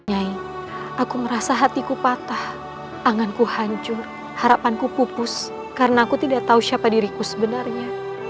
nyai aku merasa hatiku patah angan ku hancur harapan ku pupus karena aku tidak tahu siapa diriku sebenarnya